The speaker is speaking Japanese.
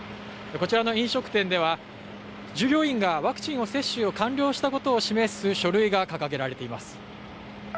こちらの飲食店では従業員がワクチン接種を完了したことを示す書類が掲げられています。